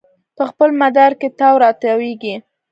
په خپل مدار کې تاو راتاویږي